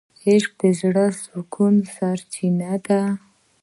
عشق د زړه د سکون سرچینه ده.